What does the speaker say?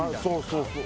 そうそう。